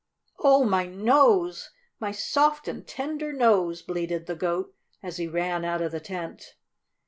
"Oh, my nose! My soft and tender nose!" bleated the Goat, as he ran out of the tent.